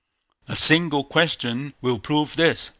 A single question will prove this.